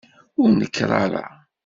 Ur nekker ara!